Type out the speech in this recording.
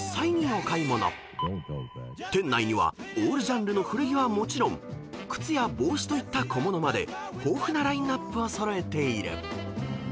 ［店内にはオールジャンルの古着はもちろん靴や帽子といった小物まで豊富なラインアップを揃えている］